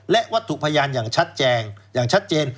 และวัตถุพยานอย่างชัดเจน